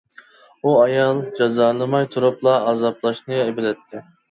ئۇ ئايال جازالىماي تۇرۇپلا، ئازابلاشنى بىلەتتى.